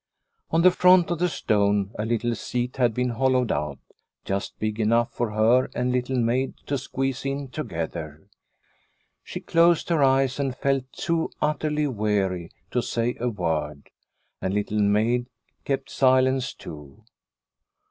On the front of the stone a little seat had been hollowed out, just big enough for her and Little Maid to squeeze in together. She closed her eyes and felt too utterly weary to say a word, and Little Maid kept silence too.